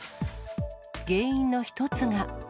原因の一つが。